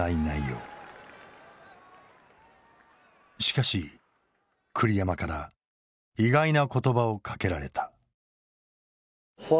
しかし栗山から意外な言葉をかけられた。